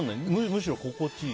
むしろ心地良い。